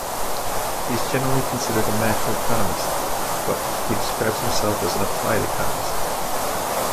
He is generally considered a macroeconomist, but he describes himself as an "applied economist".